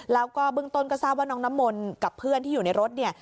แล้วก็เบื้องต้นก็ทราบว่าน้องน้ำมนต์กับเพื่อนที่อยู่ในรถเนี่ย